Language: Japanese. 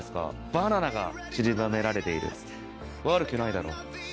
バナナがちりばめられている悪くないだろう。